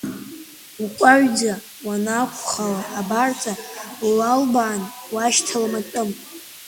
Укәаҩӡа уанаақәхало абарҵа, улалбаан уашьҭалом атәым.